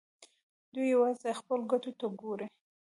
دوی یوازې خپلو ګټو ته ګوري.